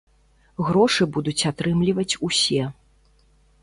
Грошы будуць атрымліваць усе.